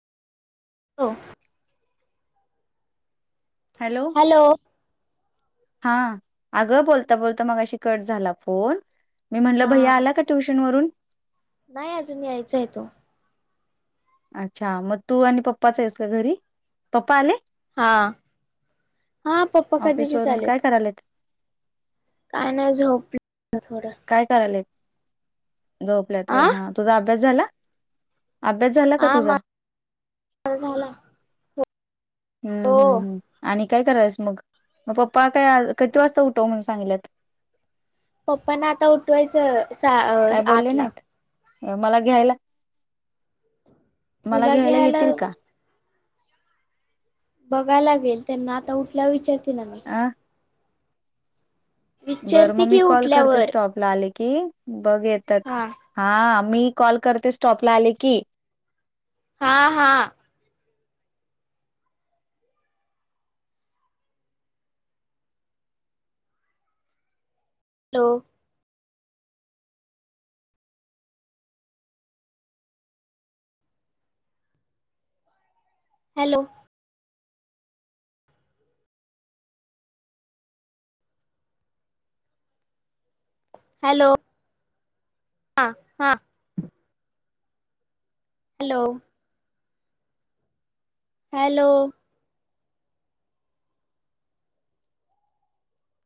हो. हॅलो. हा अगं बोलता बोलता मगाशी कट झाला फोन मी हा म्हणलं भैया आला का ट्युशन वरून नाही अजून यायचा आहे तो. अच्छा मग तू आणि पप्पाच आहेस का घरी, पप्पा आले? हा हा पप्पा ऑफिस कधीचे वरून काय आलेत. करायलेत काय नायं झोपले [inaudible] थोडं. काय करालयलेत? झोपल्यात होय, आ हा. तुझा अभ्यास झाला? अभ्यास झाला का हा तुझा? माझा [unintelligible] झाला. हम्म हम्म हो हम्म आणि काय करायस मग म पप्पा काय किती वाजता उठव म्हणून सांगिल्यात? पप्पाना आता उठवायचं. सा काय बोलले आठ ला नाहीत. मला घ्यायला मला घ्यायला येतील का? बघाय लागेल. त्यांना आता उठल्यावर विचारते ना मी. अ बरं विचारते मग मी की कॉल करते उठल्यावर स्टॉप. ला आले की बघ येतात. हा हा मी कॉल करते, स्टॉपला आले की. हा हा. Hello hello. हॅलो. हा हा हॅलो. हॅलो